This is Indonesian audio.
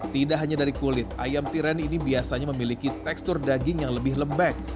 tidak hanya dari kulit ayam tiren ini biasanya memiliki tekstur daging yang lebih lembek